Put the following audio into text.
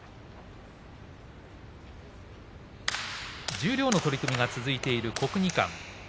十両の取組が続いている国技館。